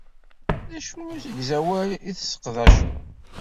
D acu n usegzawal i tesseqdaceḍ?